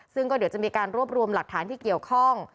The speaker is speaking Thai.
ซึ่งก็เดี๋ยวจะมีการรวบรวมหลักฐานที่เกี่ยวข้อง